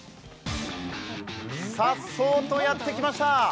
さっそうとやって来ました。